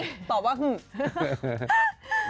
ตอบว่าหึ